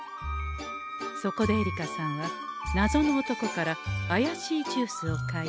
そこでえりかさんはなぞの男からあやしいジュースを買い。